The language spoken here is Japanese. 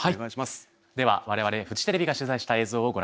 では我々フジテレビが取材した映像をご覧ください。